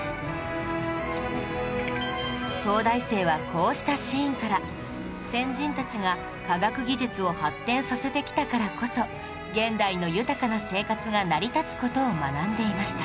東大生はこうしたシーンから先人たちが科学技術を発展させてきたからこそ現代の豊かな生活が成り立つ事を学んでいました